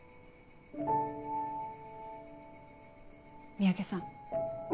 三宅さん。